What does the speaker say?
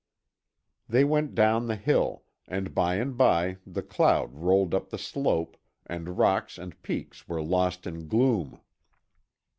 They went down the hill, and by and by the cloud rolled up the slope, and rocks and peaks were lost in gloom.